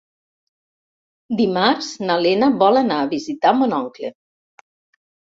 Dimarts na Lena vol anar a visitar mon oncle.